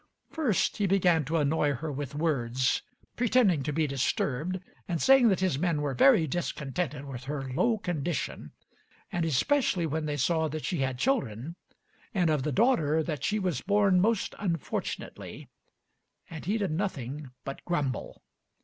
First he began to annoy her with words, pretending to be disturbed, and saying that his men were very discontented with her low condition, and especially when they saw that she had children; and of the daughter, that she was born most unfortunately; and he did nothing but grumble.